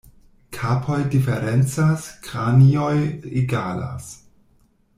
Kapoj diferencas, kranioj egalas.